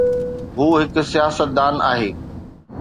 هو هڪ سياستدان آهي